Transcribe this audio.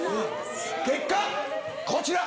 結果こちら！